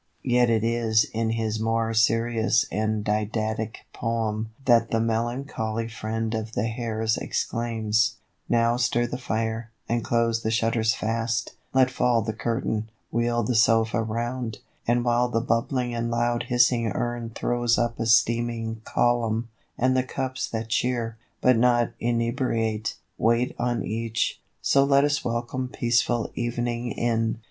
Yet it is in his more serious and didactic poem that the melancholy friend of the hares exclaims: "Now stir the fire, and close the shutters fast; Let fall the curtain, wheel the sofa round; And while the bubbling and loud hissing urn Throws up a steaming column, and the cups That cheer, but not inebriate, wait on each, So let us welcome peaceful evening in."